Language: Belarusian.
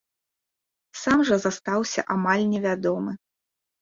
Сам жа застаўся амаль невядомы.